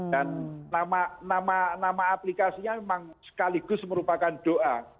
dan nama aplikasinya memang sekaligus merupakan doa